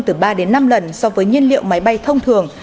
s a f sẽ được sử dụng từ ba năm lần so với nhiên liệu máy bay thông thường